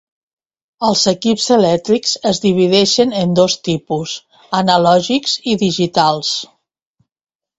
Els equips elèctrics es divideixen en dos tipus: analògics i digitals.